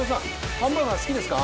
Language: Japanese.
ハンバーガー、好きですか？